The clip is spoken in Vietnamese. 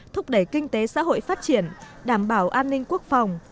thúc đẩy kinh tế xã hội phát triển đảm bảo an ninh quốc phòng